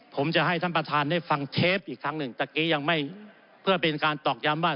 ผมจะให้ท่านประธานได้ฟังเทปอีกครั้งหนึ่งตะกี้ยังไม่เพื่อเป็นการตอกย้ำว่า